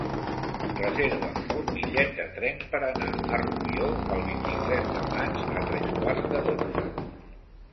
Reserva'm un bitllet de tren per anar a Rubió el vint-i-tres de maig a tres quarts de dotze.